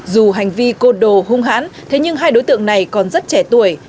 dù hành vi côn đồ hung hãn thế nhưng hai đối tượng này còn rất trẻ tuổi